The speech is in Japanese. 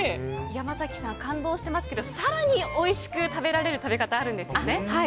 山崎さん感動してますけど更においしく食べられる食べ方があるんですよね。